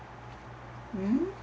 うん？